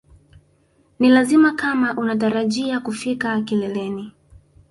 Ni lazima kama unatarajia kufika kileleni